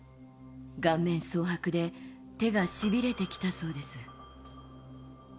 顔面そう白で手がしびれてきたそうです。